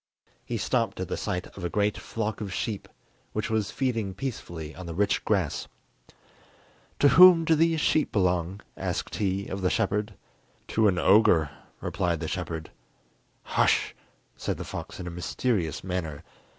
He stopped at the sight of a great flock of sheep, which was feeding peacefully on the rich grass. "To whom do these sheep belong?" asked he of the shepherd. "To an ogre," replied the shepherd. "Hush," said the fox in a mysterious manner.